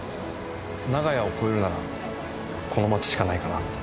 長屋を超えるならこの街しかないかなって。